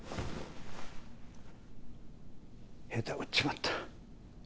下手打っちまった。